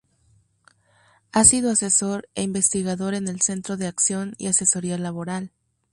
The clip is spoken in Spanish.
Ha sido asesor e investigador en el Centro de Acción y Asesoría Laboral.